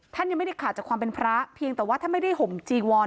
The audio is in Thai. ท่านยังไม่ได้ขาดจากความเป็นพระเพียงแต่ว่าท่านไม่ได้ห่มจีวอน